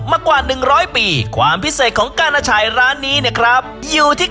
เมื่อกว่าเปียกความพิเศษของกานะฉ่ายร้านนี้เนี้ยครับอยู่ที่